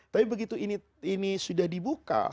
tapi begitu ini sudah dibuka